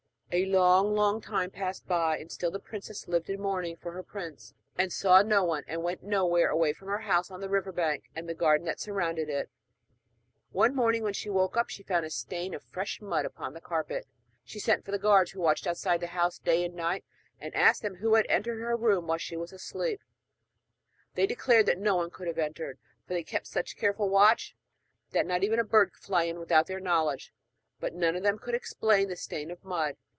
A long, long time passed by, and still the princess lived in mourning for her prince, and saw no one, and went nowhere away from her house on the river bank and the garden that surrounded it. One morning, when she woke up, she found a stain of fresh mud upon the carpet. She sent for the guards, who watched outside the house day and night, and asked them who had entered her room while she was asleep. They declared that no one could have entered, for they kept such careful watch that not even a bird could fly in without their knowledge; but none of them could explain the stain of mud.